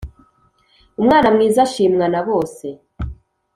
umwana mwiza ashimwa na bose